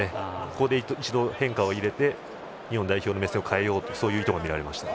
ここで一度、変化を入れて日本代表の目線を変えようという意図が見られました。